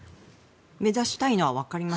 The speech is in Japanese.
目指したいのはわかります。